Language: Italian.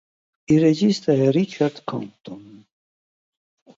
Il regista è Richard Compton.